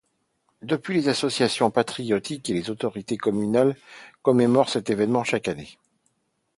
Depuis, les associations patriotiques et les autorités communales commémorent cet événement chaque année.